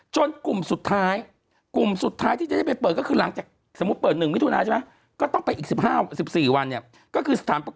จนกลุ่มสุดท้ายที่จะไปเปิดหลังจากสมมุติเปิด๑มิตรทุนายนต้องไปอีก๑๔วัน